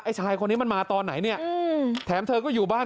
ชายคนนี้มันมาตอนไหนเนี่ยแถมเธอก็อยู่บ้าน